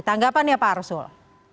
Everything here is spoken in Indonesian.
tanggapan ya pak arsul